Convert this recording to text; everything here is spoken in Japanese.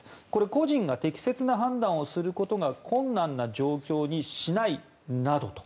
個人が適切な判断をすることが困難な状況にしないなどと。